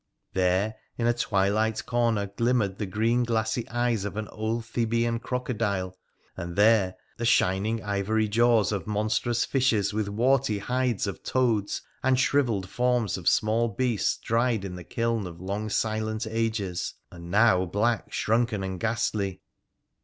There, in a twilight corner, glimmered the green glassy eyes of an old Thebeian crocodile, and there the shining ivory jaws of monstrous fishes, with warty hides of toads, and shrivelled forms of small beasts dried in the kiln of long silent ages, and now black, shrunken, and ghastly.